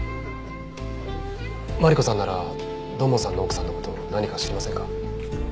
マリコさんなら土門さんの奥さんの事何か知りませんか？